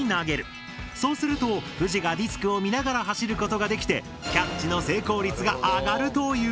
そうするとフジがディスクを見ながら走ることができてキャッチの成功率が上がるという。